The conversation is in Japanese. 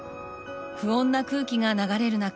不穏な空気が流れる中